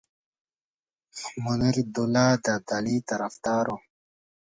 منیرالدوله د ابدالي طرفدار وو.